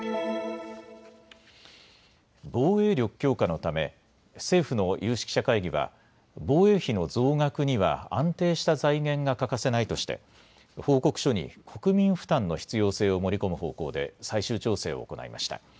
防衛力強化のため政府の有識者会議は防衛費の増額には安定した財源が欠かせないとして報告書に国民負担の必要性を盛り込む方向で最終調整を行いました。